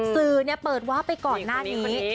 สื่อเปิดวาบไปก่อนหน้านี้